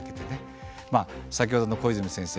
先ほどの小泉先生